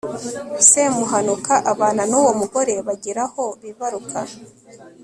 semuhanuka abana n'uwo mugore bagera aho bibaruka